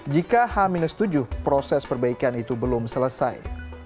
jika h tujuh proses perbaikan itu belum selesai